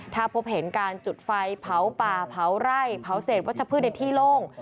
ถ้าพบเห็นการจุดไฟเผาป่าเผาไร่เผาเศษวัชพืชในที่โล่ง